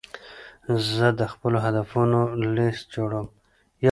زه د خپلو هدفونو لیست جوړوم.